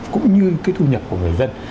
cũng như cái thu nhập của người dân